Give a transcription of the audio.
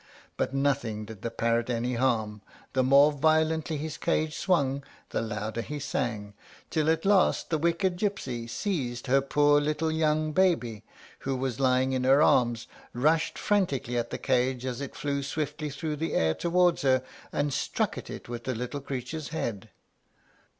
But nothing did the parrot any harm; the more violently his cage swung, the louder he sang, till at last the wicked gypsy seized her poor little young baby, who was lying in her arms, rushed frantically at the cage as it flew swiftly through the air towards her, and struck at it with the little creature's head.